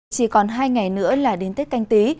chỉ còn hai ngày nữa là đến tết canh tí